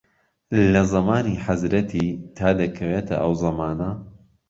لە زەمانی حەزرەتی تا دەکەوێتە ئەو زەمانە